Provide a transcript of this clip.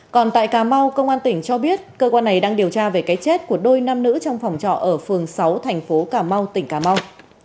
còn tại cà mau công an tỉnh cho biết cơ quan này đang điều tra về cái chết của đôi nam nữ trong phòng trọ ở phường sáu thành phố cà mau tỉnh cà mau